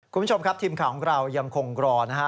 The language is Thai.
คุณผู้ชมครับทีมข่าวของเรายังคงรอนะฮะ